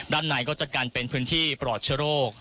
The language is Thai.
ด้านในก็จะการเป็นพื้นที่ปลอดชะโรค